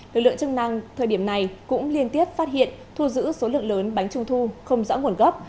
lực lượng chức năng thời điểm này cũng liên tiếp phát hiện thu giữ số lượng lớn bánh trung thu không rõ nguồn gốc